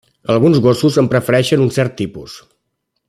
Alguns gossos en prefereixen un cert tipus.